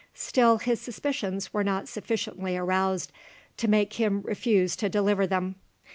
Still, his suspicions were not sufficiently aroused to make him refuse to deliver them.